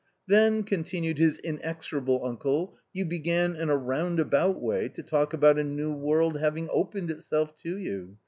" Then," continued his inexorable uncle, " you began in a roundabout way to talk about a new world having opened itself to you.